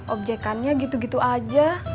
objekannya gitu gitu aja